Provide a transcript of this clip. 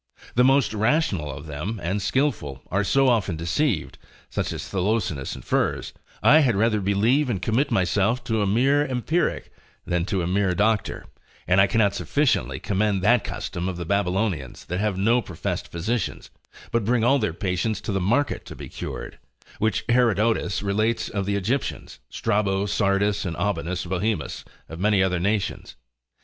The most rational of them, and skilful, are so often deceived, that as Tholosanus infers, I had rather believe and commit myself to a mere empiric, than to a mere doctor, and I cannot sufficiently commend that custom of the Babylonians, that have no professed physicians, but bring all their patients to the market to be cured: which Herodotus relates of the Egyptians: Strabo, Sardus, and Aubanus Bohemus of many other nations.